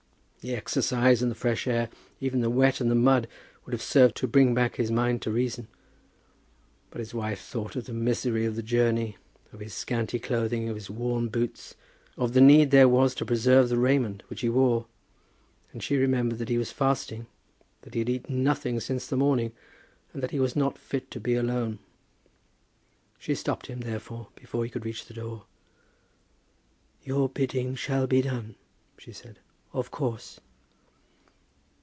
The exercise and the fresh air, even the wet and the mud, would have served to bring back his mind to reason. But his wife thought of the misery of the journey, of his scanty clothing, of his worn boots, of the need there was to preserve the raiment which he wore; and she remembered that he was fasting, that he had eaten nothing since the morning, and that he was not fit to be alone. She stopped him, therefore, before he could reach the door. "Your bidding shall be done," she said, "of course."